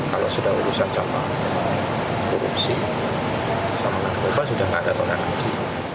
kalau sudah urusan sama korupsi sama anggota sudah tidak ada tonalisi